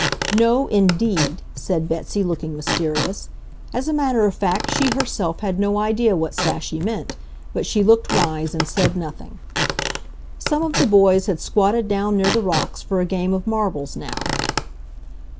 "No INDEED," said Betsy, looking mysterious. As a matter of fact, she herself had no idea what Stashie meant, but she looked wise and said nothing. Some of the boys had squatted down near the rocks for a game of marbles now.